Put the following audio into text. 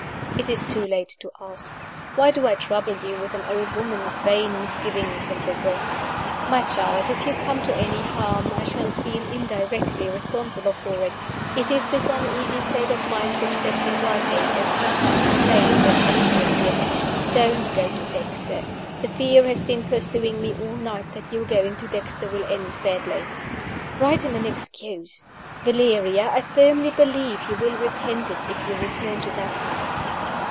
It is too late to ask. Why do I trouble you with an old woman's vain misgivings and regrets? My child, if you come to any harm, I shall feel (indirectly) responsible for it. It is this uneasy state of mind which sets me writing, with nothing to say that can interest you. Don't go to Dexter! The fear has been pursuing me all night that your going to Dexter will end badly. Write him an excuse. Valeria! I firmly believe you will repent it if you return to that house."